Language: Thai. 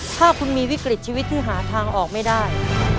ถ้าคุณมีวิกฤตชีวิตที่หาทางออกไม่ได้